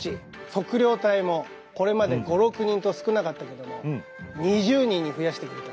測量隊もこれまで５６人と少なかったけども２０人に増やしてくれた。